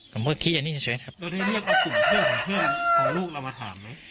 กับเพื่อคิดอย่างนี้เฉยครับแล้วได้เรียกเอากลุ่มเพื่อนของเพื่อนของลูกเรามาถามไหม